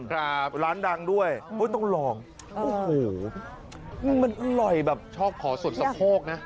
ครับร้านดังด้วยโอ้ยต้องลองโอ้โหมันอร่อยแบบชอบขอสดสะโพกนะ